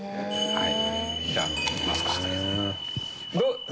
はい。